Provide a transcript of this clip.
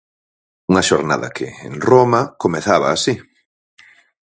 Unha xornada que, en Roma, comezaba así.